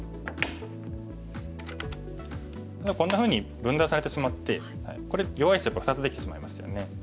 こんなふうに分断されてしまってこれ弱い石が２つできてしまいましたよね。